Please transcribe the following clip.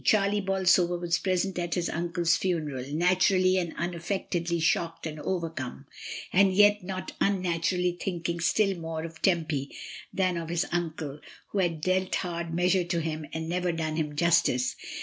Charlie Bolsover was present at his uncle's funeral, naturally and unaffectedly shocked and overcome, and yet not unnaturally thinking still more of Tempy than of his uncle, who had dealt hard measure to him and never done him justice.